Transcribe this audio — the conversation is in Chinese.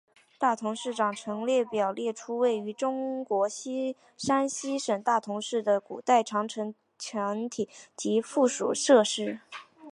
大同市长城列表列出位于中国山西省大同市的古代长城墙体及附属设施。